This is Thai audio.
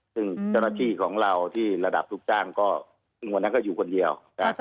ซึ่งเจ้าหน้าที่ของเราที่ระดับลูกจ้างก็ซึ่งวันนั้นก็อยู่คนเดียว